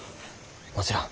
もちろん。